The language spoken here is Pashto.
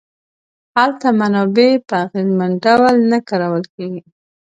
هلته منابع په اغېزمن ډول نه کارول کیږي.